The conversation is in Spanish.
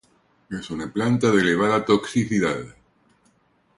Es una planta de elevada toxicidad.